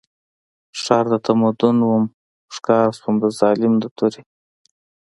ښار د تمدن وم ښکار شوم د ظالم د تورې